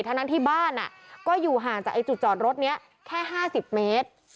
ฉะนั้นที่บ้านอ่ะก็อยู่ห่างจากไอ้จุดจอดรถเนี้ยแค่ห้าสิบเมตร